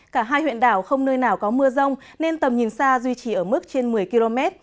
cả hai huyện đảo không nơi nào có mưa rông nên tầm nhìn xa duy trì ở mức trên một mươi km